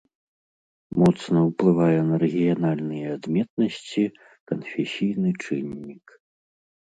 Моцна ўплывае на рэгіянальныя адметнасці канфесійны чыннік.